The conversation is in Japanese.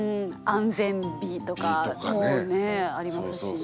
安全日とかもねありますしね。